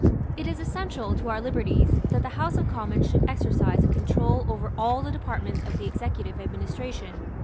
It is essential to our liberties that the House of Commons should exercise a control over all the departments of the executive administration.